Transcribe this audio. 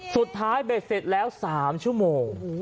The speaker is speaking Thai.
สุดท้ายเบ็ดเสร็จแล้ว๓ชั่วโมง